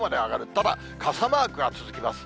ただ傘マークが続きます。